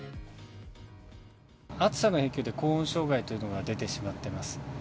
暑さの影響で、高温障害というのが出てしまってます。